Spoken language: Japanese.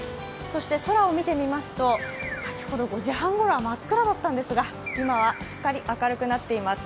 空を見てみますと、先ほど５時半ごろは真っ暗だったんですが、今はすっかり明るくなっています。